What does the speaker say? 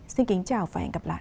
xin kính chào và hẹn gặp lại